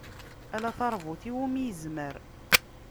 Ala taṛbut iwumi izmer.